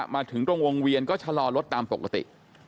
มาถึงตรงวงเวียนก็ชะลอรถตามปกติ